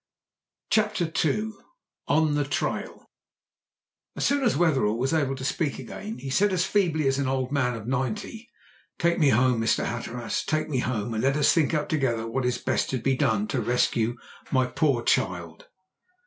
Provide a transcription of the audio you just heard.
CHAPTER II ON THE TRAIL As soon as Wetherell was able to speak again he said as feebly as an old man of ninety, "Take me home, Mr. Hatteras, take me home, and let us think out together what is best to be done to rescue my poor child."